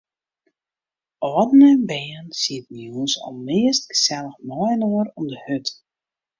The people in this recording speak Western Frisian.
Alden en bern sieten jûns almeast gesellich mei-inoar om de hurd.